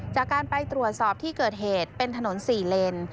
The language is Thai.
จากการไปตรวจสอบที่เกิดเหตุเป็นถนน๔เลน